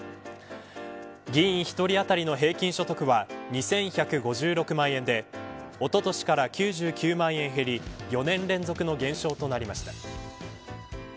議員１人当たりの平均所得は２１５６万円でおととしから９９万円減り４年連続の減少となりました。